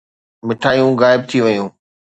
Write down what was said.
مٺايون غائب ٿي ويون.